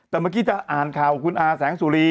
แต่เมื่อกี้จะอ่านข่าวคุณอาแสงสุรี